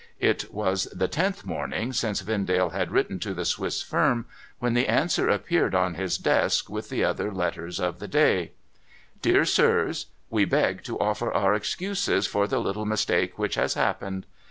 It was the tenth morning since Vendale had written to the Swiss firm, when the answer appeared on his desk, with the other letters of the day :* Dear Sirs. We beg to offer our excuses for the little mistake which has happened.